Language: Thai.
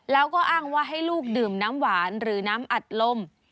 แล้วก็อ้างว่าให้ลูกดื่มน้ำหวานหรือน้ำอัดลม